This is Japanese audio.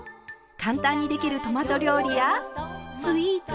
簡単にできるトマト料理やスイーツ。